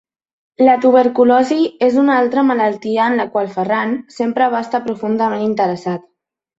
La tuberculosi és una altra malaltia en la qual Ferran sempre va estar profundament interessat.